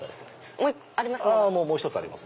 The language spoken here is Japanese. もう１個あります？